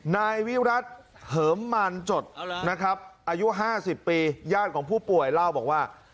นายวิรัติเหิมมารจดนะครับอายุ๕๐ปีญาติของผู้ป่วยเล่าบอกว่า